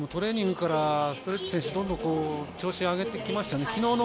トレーニングからストレイト選手どんどん調子を上げてきましたね。